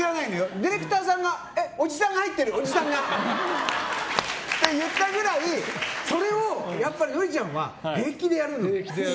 ディレクターさんがおじさんが入ってるおじさんが！って言ったくらいそれをノリちゃんは平気でやるのよ。